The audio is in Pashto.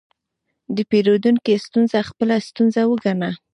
د پیرودونکي ستونزه خپله ستونزه وګڼه.